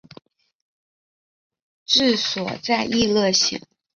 治所在溢乐县。